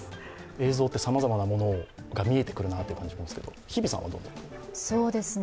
映像ってさまざまなものが見えてくるなと感じますけど、日比さんはどう感じますか。